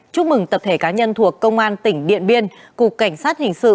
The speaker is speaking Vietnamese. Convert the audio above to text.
chúc mừng tập thể cá nhân thuộc công an tỉnh điện biên cục cảnh sát hình sự